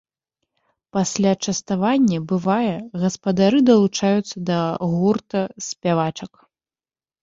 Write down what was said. Пасля частавання, бывае, гаспадары далучаюцца да гурта спявачак.